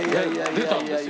出たんですよ。